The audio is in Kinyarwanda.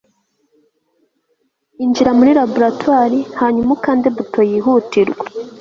injira muri laboratoire hanyuma ukande buto yihutirwa